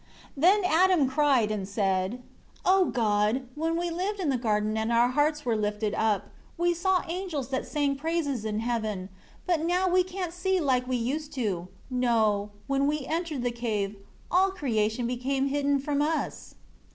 1 Then Adam cried and said, "O God, when we lived in the garden, and our hearts were lifted up, we saw the angels that sang praises in heaven, but now we can't see like we used to; no, when we entered the cave, all creation became hidden from us."